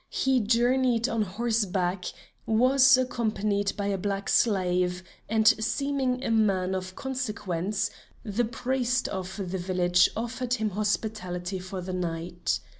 He journeyed on horseback, was accompanied by a black slave, and seeming a man of consequence, the priest of the village offered him hospitality for the night.